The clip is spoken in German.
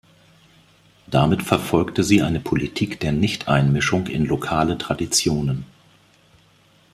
Damit verfolgte sie eine Politik der Nichteinmischung in lokale Traditionen.